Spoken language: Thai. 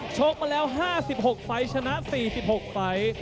ชกมาแล้ว๕๖ไฟล์ชนะ๔๖ไฟล์